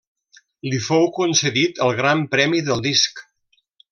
Li fou concedit el gran premi del Disc.